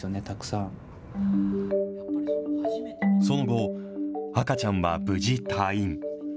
その後、赤ちゃんは無事退院。